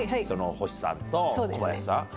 星さんと小林さん。